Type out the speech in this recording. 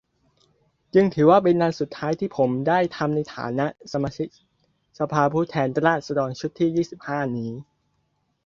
จึงถือว่าเป็นงานสุดท้ายที่ผมได้ทำในฐานะ สมาชิกสภาผู้แทนราษฎรชุดที่ ยี่สิบห้า นี้